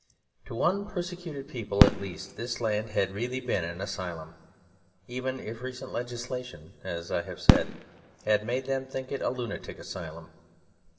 To one persecuted people at least this land had really been an asylum; even if recent legislation (as I have said) had made them think it a lunatic asylum.